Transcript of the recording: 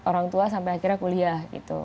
orang tua sampai akhirnya kuliah gitu